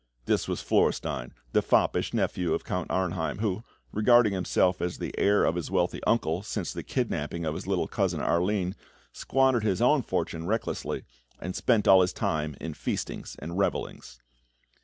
This was Florestein, the foppish nephew of Count Arnheim, who, regarding himself as the heir of his wealthy uncle since the kidnapping of his little cousin Arline, squandered his own fortune recklessly, and spent all his time in feastings and revellings.